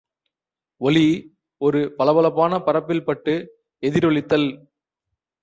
ஒளி ஒரு பளபளப்பான பரப்பில் பட்டு எதிரொளித்தல்.